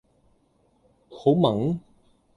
好炆？